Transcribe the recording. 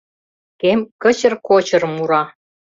Кем кычыр-кочыр мура.